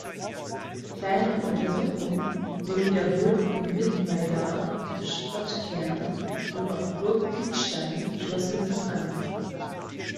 Kleinere Untersuchungen, so wiederholt im Mittweidaer Stadtkern und auf Burg Kriebstein, schlossen sich an.